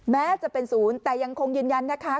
แม้จะเป็นศูนย์แต่ยังคงยืนยันนะคะ